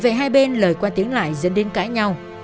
vì vậy hai bên lời qua tiếng lại dẫn đến cãi nhau